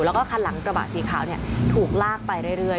แล้วก็คันหลังกระบะสีขาวถูกลากไปเรื่อย